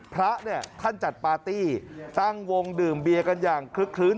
พระเนี่ยท่านจัดปาร์ตี้ตั้งวงดื่มเบียกันอย่างคลึกคลื้น